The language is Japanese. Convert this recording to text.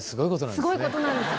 すごいことなんですよ